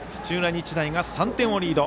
日大が３点をリード。